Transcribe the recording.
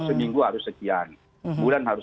seminggu harus sekian bulan harus